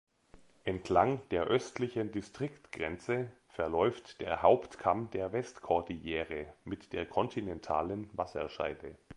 Entlang der östlichen Distriktgrenze verläuft der Hauptkamm der Westkordillere mit der kontinentalen Wasserscheide.